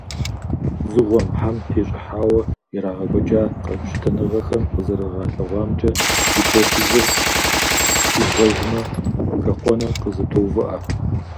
Дзыгъуэм, хьэм тещӀыхьауэ ирагъэкӀуэкӀа къэпщытэныгъэхэм къызэрагъэлъэгъуамкӀэ, гипофизыр къибгъэжмэ, хэхъуэныр къызэтоувыӀэ.